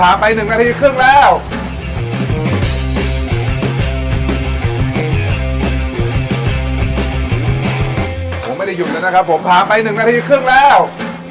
อ่ามาแล้วฮะใส่ผมไม่ได้หยุดเลยนะครับผมผ่าไปหนึ่งนาทีครึ่งแล้ว